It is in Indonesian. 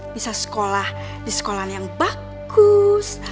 bisa sekolah di sekolah yang bagus